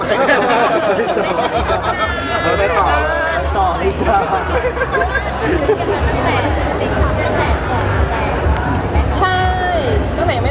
ใช่ไม่ได้ใจดี